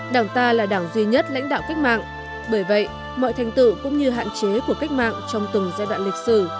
đảng ta là đảng duy nhất lãnh đạo cách mạng bởi vậy mọi thành tựu cũng như hạn chế của cách mạng trong từng giai đoạn lịch sử